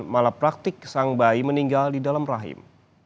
malah praktik sang bayi meninggal di dalam rahim